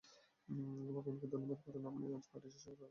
ভগবানকে ধন্যবাদ কারন আপনি আজ, পার্টি শেষ হওয়ার আগেই পৌঁছেছেন।